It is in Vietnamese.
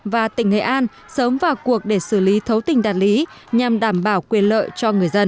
và tỉnh nghệ an sớm vào cuộc để xử lý thấu tình đạt lý nhằm đảm bảo quyền lợi cho người dân